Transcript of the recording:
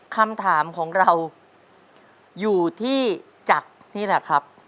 คำถามของเราอยู่ที่จักรนี่แหละครับ